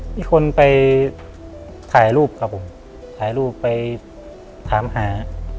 มีคนไปถ่ายรูปครับผมถ่ายรูปไปถามหา